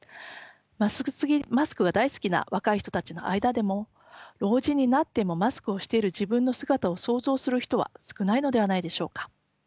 マスクが大好きな若い人たちの間でも老人になってもマスクをしている自分の姿を想像する人は少ないのではないでしょうか。